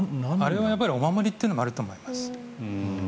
あれはお守りというのがあると思います。